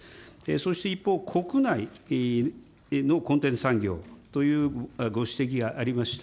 そして一方、国内のコンテンツ産業というご指摘がありました。